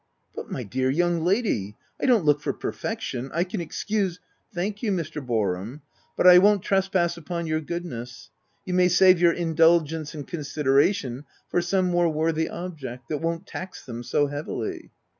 u But my dear young lady, I don't look for perfection, I can excuse —"" Thank you, Mr. Boarham, but I won't trespass upon your goodness. You may save your indulgence and consideration for some more worthy object, that won't tax them so heavily."